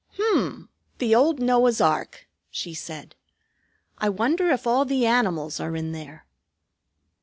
"H'm! The old Noah's ark," she said. "I wonder if all the animals are in there."